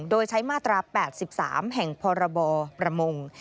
โดยใช้มาตรา๘๓แห่งพรบประมง